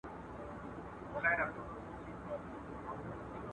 خو دا مو باید په یاد وي چي هر پسرلی له یوه ګله پیلېږي!!